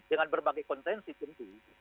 dengan berbagai kontensi tentu